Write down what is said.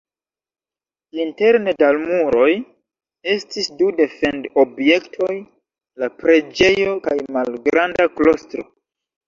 Interne de la muroj estis du defend-objektoj: la preĝejo kaj malgranda klostro.